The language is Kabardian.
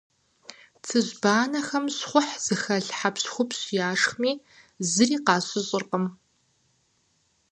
Цыжьбанэхэм щхъухь зыхэлъ хьэпщхупщ яшхми, зыри къащыщӏыркъым.